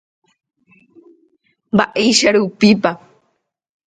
Mba'éicha rupípa.